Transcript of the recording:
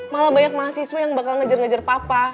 malah banyak mahasiswa yang bakal ngejar ngejar papa